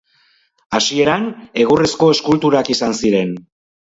Hasieran egurrezko eskulturak izan ziren.